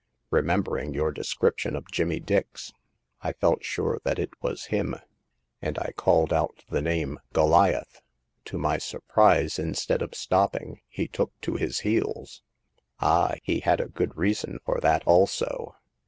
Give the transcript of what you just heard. Remembering your description of Jimmy Dix, I felt sure that it was him ; and I called out the name * Goliath.' To my surprise, instead of stopping, he took to his heels." Ah, he had a good reason for that also."